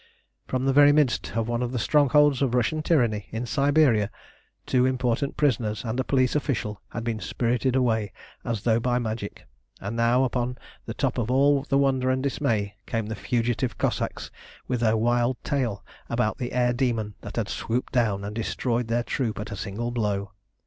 From the very midst of one of the strongholds of Russian tyranny in Siberia, two important prisoners and a police official had been spirited away as though by magic, and now upon the top of all the wonder and dismay came the fugitive Cossacks with their wild tale about the air demon that had swooped down and destroyed their troop at a single blow.